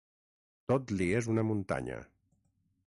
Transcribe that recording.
Tot li és una muntanya.